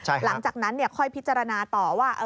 หลังจากนั้นค่อยพิจารณาต่อว่า